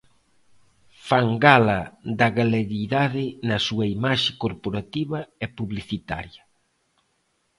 Fan gala da galeguidade na súa imaxe corporativa e publicitaria.